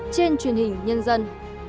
trên truyền hình nhân dân